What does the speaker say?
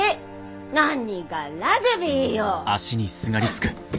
何がラグビーよ。